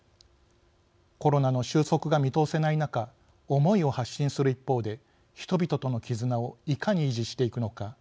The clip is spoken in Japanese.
コロナの収束が見通せない中思いを発信する一方で人々との絆をいかに維持していくのか。